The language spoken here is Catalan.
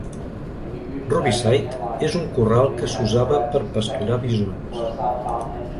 Ruby Site és un corral que s'usava per pasturar bisons.